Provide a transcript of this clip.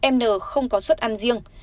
mn không có suất ăn riêng